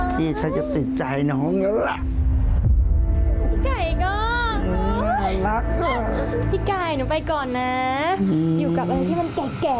พี่ไก่หนูไปก่อนนะอยู่กับอะไรที่มันแก่ไปก่อนนะฮะ